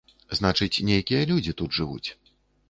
Значыць, нейкія людзі тут жывуць.